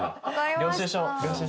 領収書を。